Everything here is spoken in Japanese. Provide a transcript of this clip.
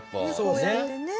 こうやってね。